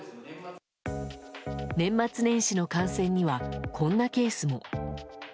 年末年始の感染にはこんなケースも。